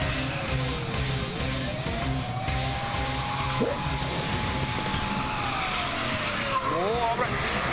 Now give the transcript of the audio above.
うお危ない！